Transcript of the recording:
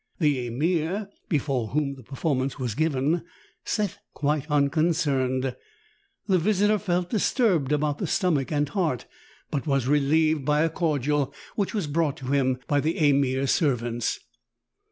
The Ameer, before whom the performance was given, sat quite unconcerned; the visitor felt disturbed about the stomach and heart, but was relieved by a cor jugglers of the ORIENT'. 91 dial which was brought to him by the Ameer's servants.